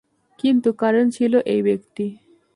কিন্তু কারণ ছিল এই ব্যক্তি।